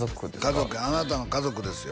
家族あなたの家族ですよ